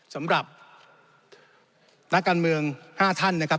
สำหรับนักการเมือง๕ท่านนะครับ